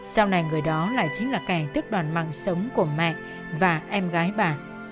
sau này người đó lại chính là kẻ tức đoàn mạng sống của mẹ và em gái bà